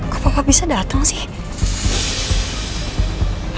kok papa bisa datang sih